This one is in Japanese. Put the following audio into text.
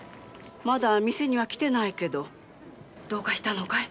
まだ店には来ないけどどうかしたのかい？